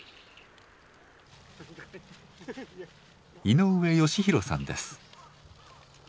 井上佳洋さんです。